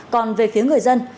còn về phía người dân